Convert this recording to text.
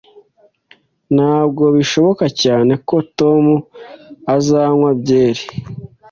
Ntabwo bishoboka cyane ko Tom azanywa byeri